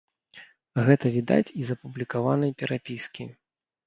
Гэта відаць і з апублікаванай перапіскі.